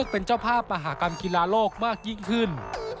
เป็นเจ้าภาพมหากรรมกีฬาโลกมากยิ่งขึ้น